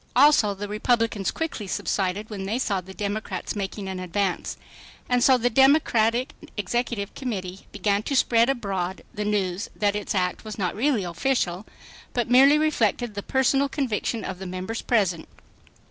Also the Republicans quickly subsided when they saw the Democrats making an advance. And so the Democratic Executive Committee began to spread abroad the news that its act was not really official, but merely reflected the "personal conviction" of the members present.